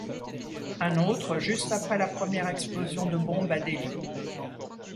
Un autre juste après la première explosion de bombes à Delhi.